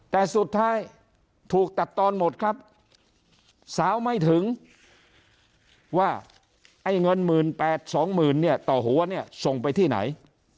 แต่สุดท้ายถูกตัดตอนหมดครับสาวไม่ถึงว่าไอ้เงิน๑๘๐๐๒๐๐๐เนี่ยต่อหัวเนี่ยส่งไปที่ไหน